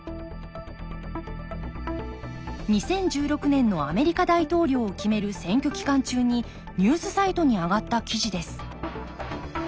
２０１６年のアメリカ大統領を決める選挙期間中にニュースサイトに上がった記事です